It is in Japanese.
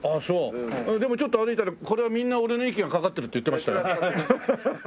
でもちょっと歩いたらこの辺はみんな俺の息がかかってるって言ってましたよ。